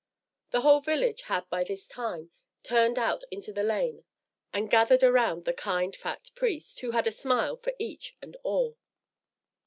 The whole village had by this time turned out into the lane and gathered around the kind fat priest, who had a smile for each and all.